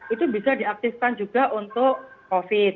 itu bisa diaktifkan juga untuk covid